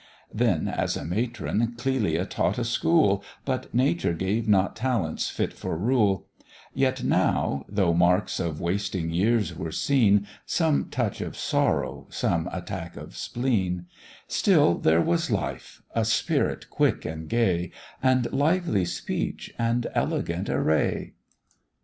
Then as a matron Clelia taught a school, But nature gave not talents fit for rule: Yet now, though marks of wasting years were seen, Some touch of sorrow, some attack of spleen; Still there was life, a spirit quick and gay, And lively speech and elegant array.